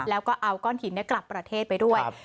แล้วก็เอาก้อนหินกลับประเทศไปด้วย